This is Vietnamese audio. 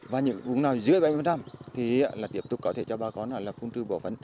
và những vùng nào dưới bảy mươi thì là tiếp tục có thể cho bà con là không trừ bọ phấn